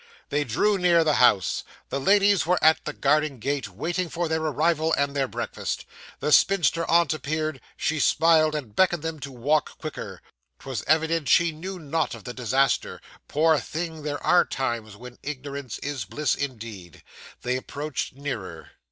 They drew near the house. The ladies were at the garden gate, waiting for their arrival and their breakfast. The spinster aunt appeared; she smiled, and beckoned them to walk quicker. 'Twas evident she knew not of the disaster. Poor thing! there are times when ignorance is bliss indeed. They approached nearer.